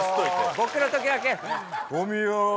僕の時だけ「小宮」。